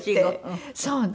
そう。